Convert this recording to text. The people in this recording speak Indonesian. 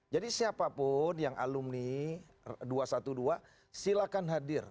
siapapun yang alumni dua ratus dua belas silakan hadir